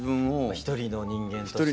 一人の人間として。